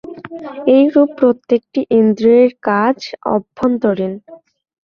এইরূপ প্রত্যেকটি ইন্দ্রিয়ের কাজ অভ্যন্তরীণ।